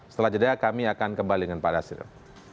setelah jeda kami akan kembali dengan pak dasril